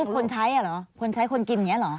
คนใช้อ่ะเหรอคนใช้คนกินอย่างนี้เหรอ